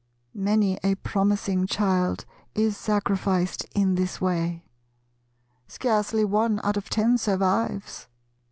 Many a promising child is sacrificed in this way. Scarcely one out of ten survives.